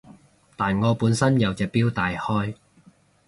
但我本身有隻錶戴開